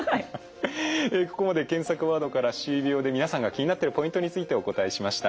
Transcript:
ここまで検索ワードから歯周病で皆さんが気になってるポイントについてお答えしました。